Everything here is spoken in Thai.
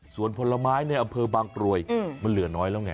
ส่วนผลไม้ในอำเภอบางกรวยมันเหลือน้อยแล้วไง